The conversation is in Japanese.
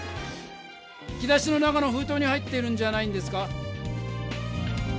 引き出しの中のふうとうに入っているんじゃないんですか？